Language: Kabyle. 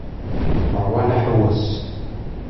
Rwan aḥewwes.